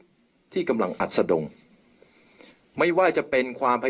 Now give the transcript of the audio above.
เพื่อยุดยั้งการสืบทอดอำนาจของขอสอชอต่อและยังพร้อมจะเป็นนายกรัฐมนตรี